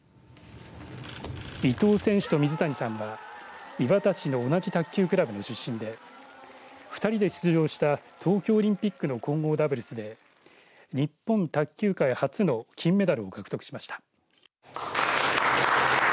伊藤選手と水谷さんは磐田市の同じ卓球クラブの出身で２人で出場した東京オリンピックの混合ダブルスで日本卓球界初の金メダルを獲得しました。